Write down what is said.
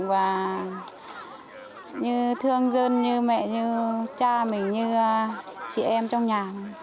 và như thương dân như mẹ như cha mình như chị em trong nhà